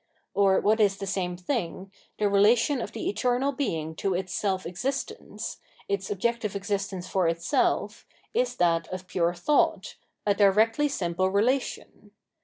Or, what is the same thing, the relation of the eternal *«. p. 775. 781 Revealed Religion Being to its self existence, its objective existence for Itself, is that of pure thought, a directly simple relation.